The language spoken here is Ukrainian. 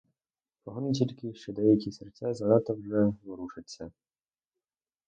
Погано тільки, що деякі серця занадто вже ворушаться.